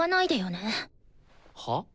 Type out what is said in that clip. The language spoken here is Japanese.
はあ？